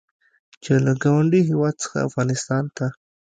چې له ګاونډي هېواد څخه افغانستان ته